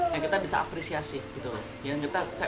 yang kita bisa menghargai